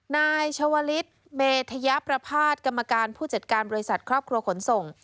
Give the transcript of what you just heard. นายชวลิศเมธยประภาษณ์กรรมการผู้จัดการบริษัทครอบครัวขนส่ง